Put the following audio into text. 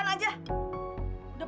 susah banget sih